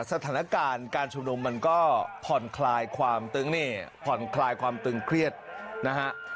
สถานการณ์การชุมนุมมันก็ผ่อนคลายความตึงนี่ผ่อนคลายความตึงเครียดนะฮะ